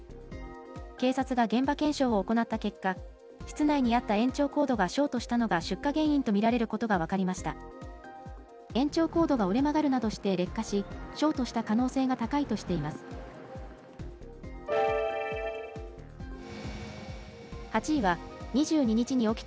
警察が現場検証を行った結果、室内にあった延長コードがショートしたのが出火原因と見られることが分かりました。